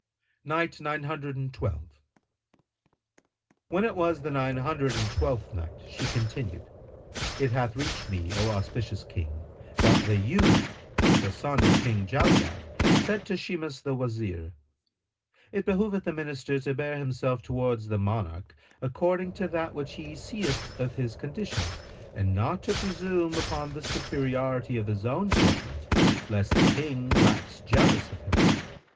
When it was the Nine Hundred and Twelfth Night, She continued: It hath reached me, O auspicious King, that the youth, the son of King Jali'ad, said to Shimas the Wazir, "It behoveth the Minister to bear himself towards the Monarch according to that which he seeth of his condition, and not to presume upon the superiority of his own judgment lest the King wax jealous of him."